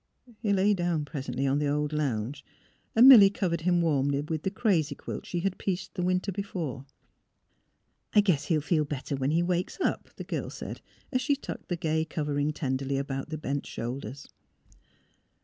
He lay down presently on the old lounge and Milly covered him warmly with the crazy quilt she had pieced the winter before. ^' I guess he'll feel better when he wakes up," the girl said, as she tucked the gay covering ten derly about the bent shoulders.